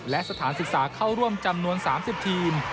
และสถานศึกษาเข้าร่วมจำนวน๓๐ทีม